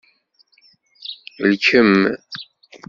Lkem.